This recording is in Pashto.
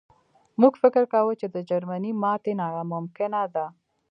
موږ فکر کاوه چې د جرمني ماتې ناممکنه ده